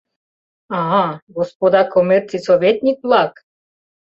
А, господа коммерций советник-влак!